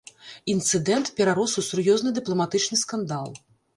Інцыдэнт перарос у сур'ёзны дыпламатычны скандал.